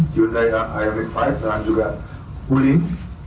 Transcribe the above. hyundai ioniq lima dan juga wuling